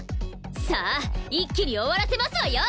さあ一気に終わらせますわよ！